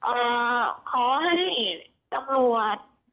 เอ่อขอให้กำรวจ